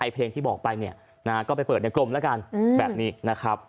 เพลงที่บอกไปก็ไปเปิดในกรมละกัน